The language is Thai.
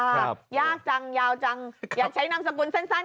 ยากจังยาวจังอยากใช้นามสกุลสั้น